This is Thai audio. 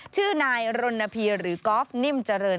ชื่อนายรณพีหรือกอล์ฟนิ่มเจริญ